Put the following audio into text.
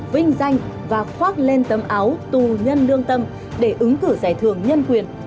vinh danh và khoác lên tấm áo tù nhân lương tâm để ứng cử giải thưởng nhân quyền